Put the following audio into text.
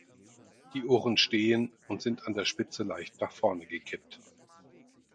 Die Ohren stehen und sind an der Spitze leicht nach vorne gekippt.